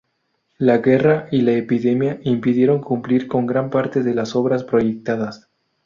La guerra y la epidemia impidieron cumplir con gran parte de las obras proyectadas.